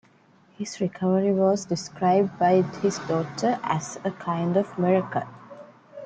His recovery was described by his doctor as "a kind of miracle".